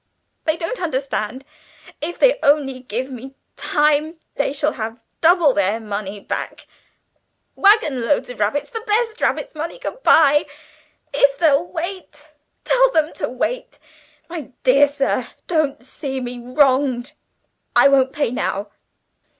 They don't understand. If they only give me time they shall have double their money back waggon loads of rabbits, the best rabbits money can buy if they'll wait. Tell them to wait. My dear sir, don't see me wronged! I won't pay now!"